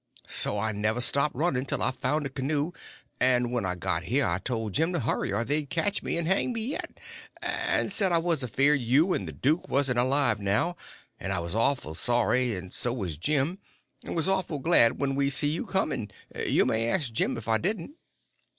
So I never stopped running till I found the canoe; and when I got here I told Jim to hurry, or they'd catch me and hang me yet, and said I was afeard you and the duke wasn't alive now, and I was awful sorry, and so was Jim, and was awful glad when we see you coming; you may ask Jim if I didn't."